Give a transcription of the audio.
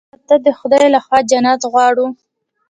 مړه ته د خدای له خوا جنت غواړو